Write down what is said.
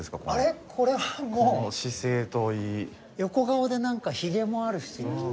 横顔でなんかひげもあるし。